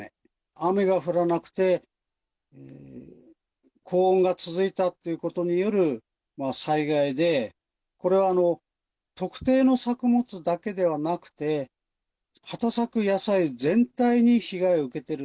雨が降らなくて、高温が続いたということによる災害で、これは特定の作物だけではなくて、畑作野菜全体に被害を受けている。